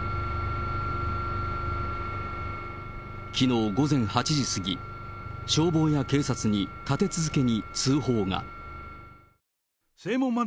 きのう午前８時過ぎ、消防や警察に立て続けに通報が。